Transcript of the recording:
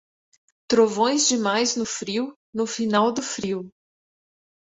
Trovões demais no frio, no final do frio.